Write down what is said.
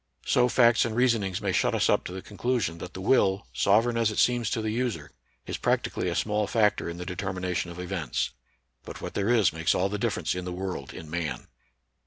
So facts and reasonings may shut us up to the conclusion that the will, sovereign as it seems to the user, is practically a small factor in the determination of events. But what there is makes all the difference in the world in man